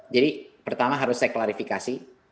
jadi pertama harus saya klarifikasi